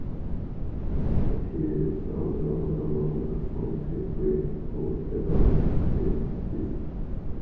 He is the author of a number of books on the history of evangelism.